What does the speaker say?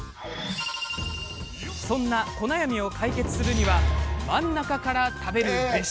そんな小悩みを解決するには真ん中から食べるべし。